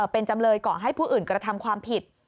เป็นจำเลยก่อให้ผู้อื่นกระทำความผิด